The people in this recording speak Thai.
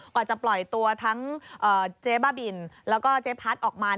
กว่าจะปล่อยตัวทั้งเจ๊บ้าบินแล้วก็เจ๊พัดออกมา